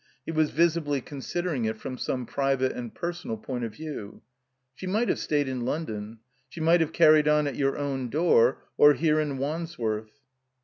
He was visibly considering it from some private and personal point of view. "She might have stayed in London. She might have car ried on at your own door or here in Wandsworth."